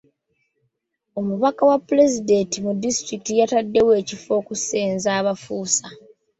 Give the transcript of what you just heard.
Omubaka wa pulezidenti mu disitulikiti yataddewo ekifo okusenza abafuusa.